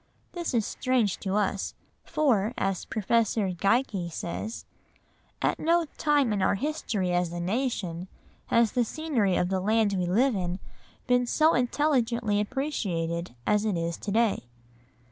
This is strange to us, for, as Professor Geikie says, "At no time in our history as a nation has the scenery of the land we live in been so intelligently appreciated as it is to day."